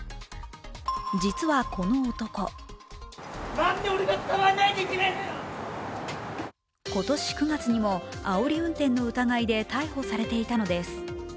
実は、この男今年９月にも、あおり運転の疑いで逮捕されていたのです。